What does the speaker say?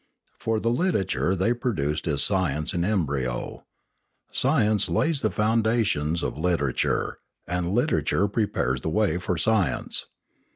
For the literature they produce is science in embryo. Science lays the foundations of literature, and literature prepares the way for science.